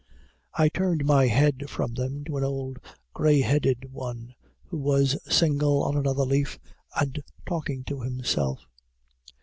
I turned my head from them to an old gray headed one, who was single on another leaf, and talking to himself.